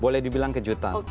boleh dibilang kejutan